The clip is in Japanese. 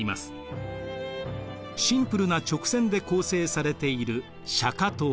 シンプルな直線で構成されている釈迦塔。